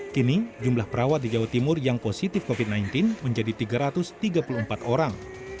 kini jumlah perawat di jawa timur yang positif covid sembilan belas menjadi tiga ratus tiga puluh empat orang